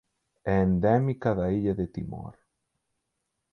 É endémica da illa de Timor.